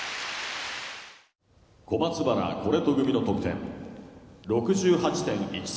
「小松原コレト組の得点６８．１３」。